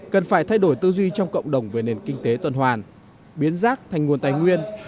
cần phải thay đổi tư duy trong cộng đồng về nền kinh tế tuần hoàn biến rác thành nguồn tài nguyên